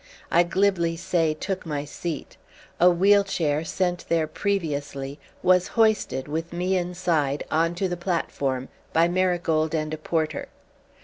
I glibly say "took my seat." A wheel chair, sent there previously, was hoisted, with me inside, on to the platform by Marigold and a porter.